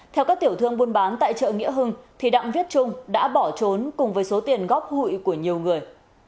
theo các tiểu thương buôn bán tại chợ nghĩa hưng thì đặng viết trung đã bỏ trốn cùng với số tiền góp hụi của nhiều người